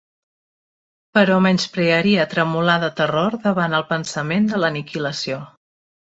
Però menysprearia tremolar de terror davant el pensament de l'aniquilació.